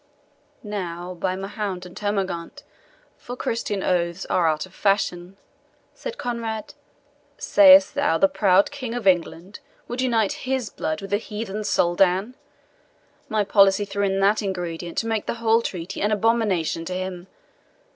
"Now, by Mahound and Termagaunt, for Christian oaths are out of fashion," said Conrade, "sayest thou the proud King of England would unite his blood with a heathen Soldan? My policy threw in that ingredient to make the whole treaty an abomination to him.